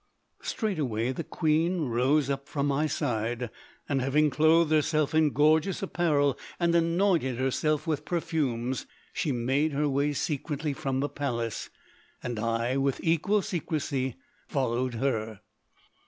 Straightway the queen rose up from my side, and having clothed herself in gorgeous apparel and anointed herself with perfumes, she made her way secretly from the palace, and I with equal secrecy followed her.